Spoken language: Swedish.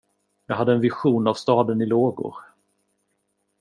Jag hade en vision av staden i lågor.